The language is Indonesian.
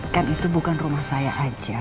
kan itu bukan rumah saya aja